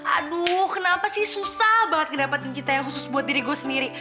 aduh kenapa sih susah banget ngedapetin kita yang khusus buat diri gue sendiri